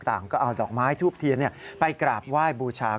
ต่างก็เอาดอกไม้ทูบเทียนไปกราบไหว้บูชา